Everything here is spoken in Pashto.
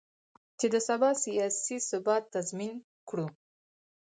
چې د سبا سیاسي ثبات تضمین کړو.